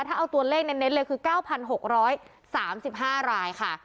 ถ้าเอาตัวเลขเน้นเลยคือ๙๖๓๕รายค่ะ